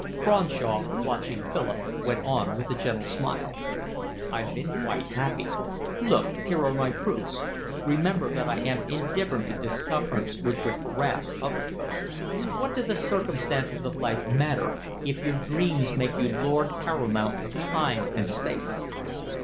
Cronshaw, watching Philip, went on with a gentle smile. "I've been quite happy. Look, here are my proofs. Remember that I am indifferent to discomforts which would harass other folk. What do the circumstances of life matter if your dreams make you lord paramount of time and space?"